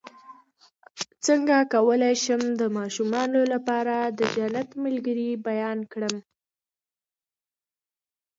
څنګه کولی شم د ماشومانو لپاره د جنت ملګري بیان کړم